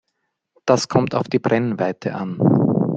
Das kommt auf die Brennweite an.